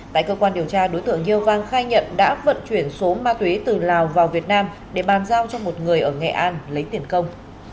tại cơ quan điều tra đối tượng yêu vang khai nhận đã vận chuyển số ma túy từ lào vào việt nam để bàn giao cho một người ở nghệ an lấy tiền công